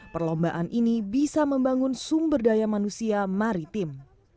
perlombaan ini bisa membangun sumber daya manusia maritim